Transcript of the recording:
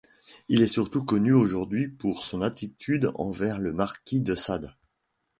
Il est surtout connu aujourd'hui pour son attitude envers le marquis de Sade.